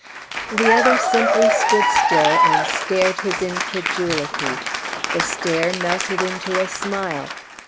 The other simply stood still and stared his incredulity. The stare melted into a smile.